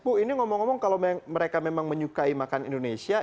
bu ini ngomong ngomong kalau mereka memang menyukai makan indonesia